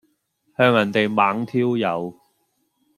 向人地猛挑誘